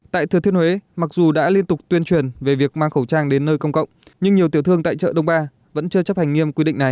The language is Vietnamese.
tại thừa thiên huế mặc dù đã liên tục tuyên truyền về việc mang khẩu trang đến nơi công cộng nhưng nhiều tiểu thương tại chợ đông ba vẫn chưa chấp hành nghiêm quy định này